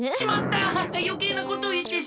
よけいなことをいってしもうた！